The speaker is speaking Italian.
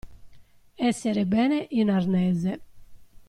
Essere bene in arnese.